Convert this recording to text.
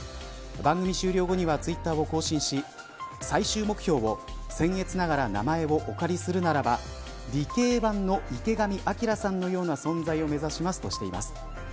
番組終了後にはツイッターを更新し最終目標を、せんえつながら名前をお借りするならば理系版の池上彰さんのような存在を目指しますとしています。